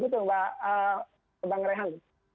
begitu mbak rehan